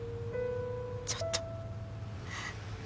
ちょっと。